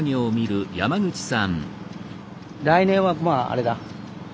来年はまああれだ。